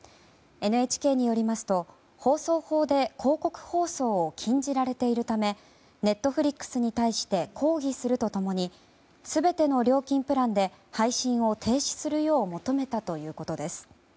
ＮＨＫによりますと放送法で広告放送を禁じられているためＮｅｔｆｌｉｘに対して抗議するとともに全ての料金プランで配信を停止するよう求めたということです。